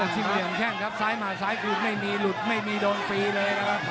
สิ้นเหลี่ยมแข้งครับซ้ายมาซ้ายคืนไม่มีหลุดไม่มีโดนตีเลยนะครับ